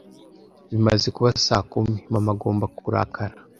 Bimaze kuba saa kumi. Mama agomba kurakara.